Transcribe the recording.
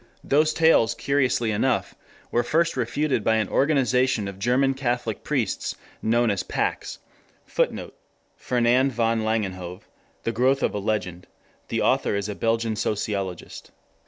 Those tales curiously enough were first refuted by an organization of German Catholic priests known as Pax. [Footnote: Fernand van Langenhove, The Growth of a Legend. The author is a Belgian sociologist.